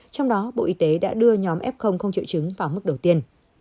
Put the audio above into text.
trong đó bộ y tế đã đưa nhóm f không triệu chứng vào mức đầu tiên